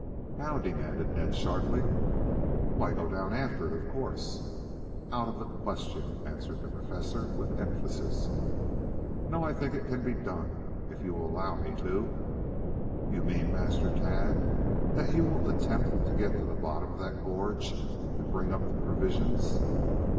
"How?" demanded Ned sharply. "Why, go down after it, of course." "Out of the question," answered the Professor, with emphasis. "No, I think it can be done, if you will allow me to " "You mean, Master Ted, that you will attempt to get to the bottom of that gorge and bring up the provisions?"